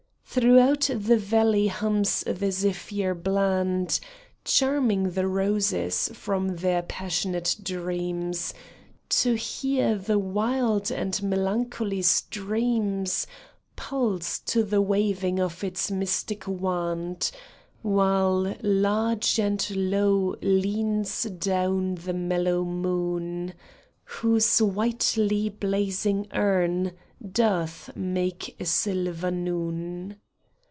Throughout the valley hums the zephyr bland, Charming the roses from their passionate dreams, To hear the wild and melancholy streams Pulse to the waving of its mystic wand ; While large and low A ans down the mellow moon. Whose whitely blazing urn doth make a silver noon.